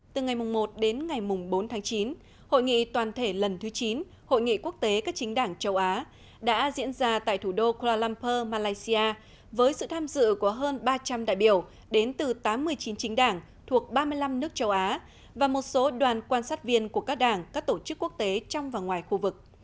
từ ngày một đến ngày bốn tháng chín hội nghị toàn thể lần thứ chín hội nghị quốc tế các chính đảng châu á đã diễn ra tại thủ đô kuala lumpur malaysia với sự tham dự của hơn ba trăm linh đại biểu đến từ tám mươi chín chính đảng thuộc ba mươi năm nước châu á và một số đoàn quan sát viên của các đảng các tổ chức quốc tế trong và ngoài khu vực